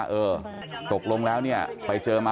เพื่อนบ้านเจ้าหน้าที่อำรวจกู้ภัย